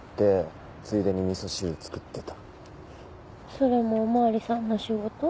それもお巡りさんの仕事？